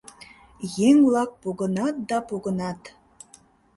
Еҥ-влак погынат да погынат.